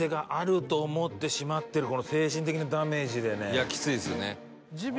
「いやきついですよね」